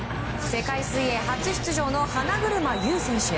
世界水泳初出場の花車優選手。